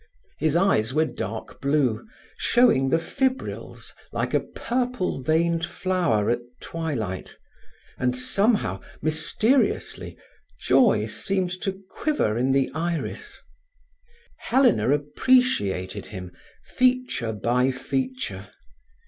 His eyes were dark blue, showing the fibrils, like a purple veined flower at twilight, and somehow, mysteriously, joy seemed to quiver in the iris. Helena appreciated him, feature by feature.